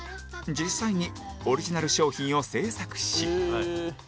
実際にオリジナル商品を製作し